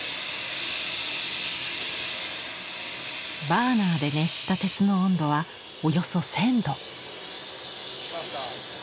バーナーで熱した鉄の温度はおよそ１，０００度。